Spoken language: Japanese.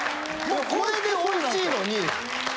これで美味しいのに。